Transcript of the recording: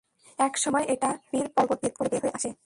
এক সময়ে এটা ছাবীর পর্বত ভেদ করে বের হয়ে আসে।